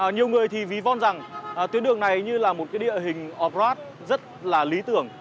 nhiều người thì ví von rằng tuyến đường này như là một cái địa hình off road rất là lý tưởng